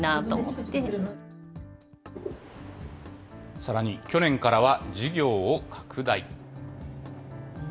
さらに去年からは、事業を拡大。